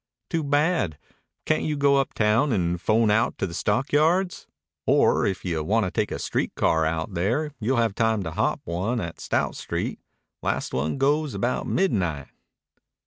"Too bad. Can't you go uptown and 'phone out to the stockyards? Or if you want to take a street car out there you'll have time to hop one at Stout Street. Last one goes about midnight."